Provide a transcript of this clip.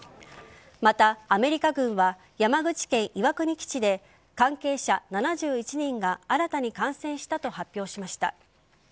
また、アメリカ軍は山口県岩国基地で関係者７１人が新たに感染したと発表しました。